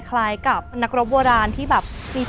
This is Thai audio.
อ๋อแต่ก็นั้นอยู่ข้างนั้นไง